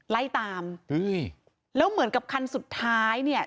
ไล่ตามเฮ้ยแล้วเหมือนกับคันสุดท้ายเนี่ย